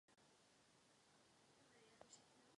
Ještě téhož roku si požádal o vystavení pasu do ciziny.